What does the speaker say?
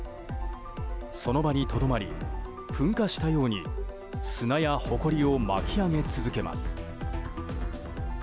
その場にとどまり噴火したように砂やほこりを巻き上げ続けます。